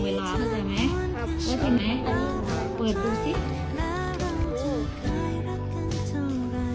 ว่าอันนี้หาคนผงเอาให้